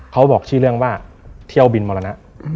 เขาบอกชื่อเรื่องว่าเที่ยวบินมรณะ